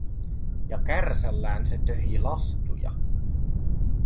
Ja kärsällään se töhi lastuja.